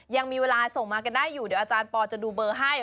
ยังมีเวลาส่งมากันได้อยู่เดี๋ยวอาจารย์ปอลจะดูเบอร์ให้